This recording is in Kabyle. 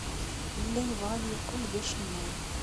Yella yebɣa ad yeqqel d acennay.